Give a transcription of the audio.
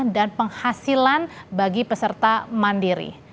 dan penghasilan bagi peserta mandiri